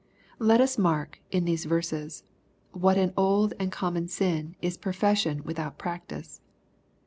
Let us mark, in these verses, what an old and common sin is profession without practice.